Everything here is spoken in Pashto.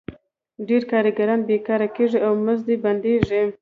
ډېر کارګران بېکاره کېږي او مزد یې بندېږي